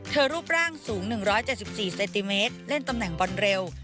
รูปร่างสูง๑๗๔เซนติเมตรเล่นตำแหน่งบอลเร็ว